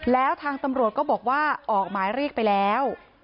แล้วทางตำรวจก็บอกว่าออกหมายเรียกไปแล้ว